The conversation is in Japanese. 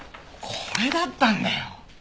これだったんだよ。